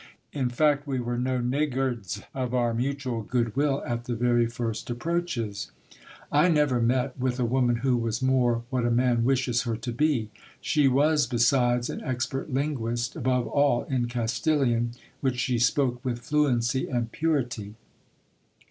In fact, we were no niggards of our mutual good will at the very first approaches. I never met with a woman who was more what a man wishes her to be. She was besides an expert linguist, above all in Castilian, which she 1 86 GIL BLAS. spoke with fluency and purity.